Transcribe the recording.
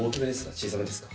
小さめですか？